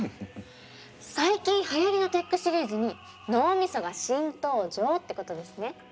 最近はやりのテックシリーズに脳みそが新登場ってことですね。